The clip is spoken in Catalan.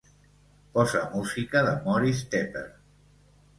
Posa música de Moris Tepper